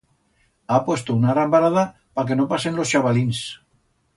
Ha puesto una arambrada pa que no pasen los chabalins.